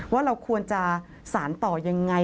ว่าเราควรจะสารต่อยังไง